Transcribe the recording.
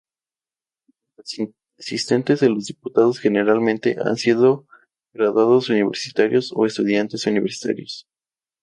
Los asistentes de los diputados generalmente han sido graduados universitarios o estudiantes universitarios.